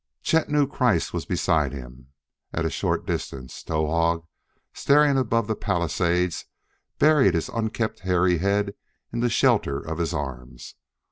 Chet knew Kreiss was beside him; at a short distance, Towahg, staring above the palisade, buried his unkempt, hairy head in the shelter of his arms.